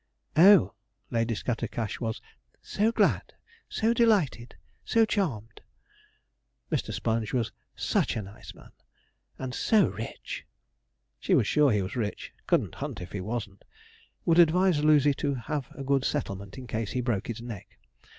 'Oh,' Lady Scattercash was 'so glad!' 'so delighted!' 'so charmed!' Mr. Sponge was such a nice man, and so rich. She was sure he was rich couldn't hunt if he wasn't. Would advise Lucy to have a good settlement, in case he broke his neck.